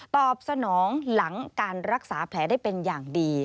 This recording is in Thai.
ตอบสนองหลังการรักษาแผลได้เป็นอย่างดี